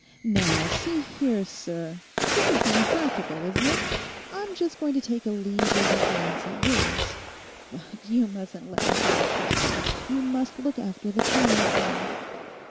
'Now, see here, sir; this is being practical, isn't it? I'm just going to take a leisurely glance at yours. But you mustn't let me forget the time. You must look after the time for me.